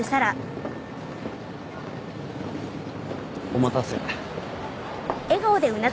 お待たせ。